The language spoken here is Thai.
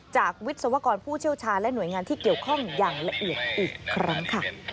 วิศวกรผู้เชี่ยวชาญและหน่วยงานที่เกี่ยวข้องอย่างละเอียดอีกครั้งค่ะ